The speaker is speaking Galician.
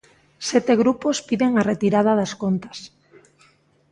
Sete grupos piden a retirada das contas.